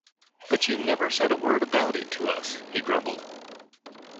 "But you never said a word about it to us," he grumbled.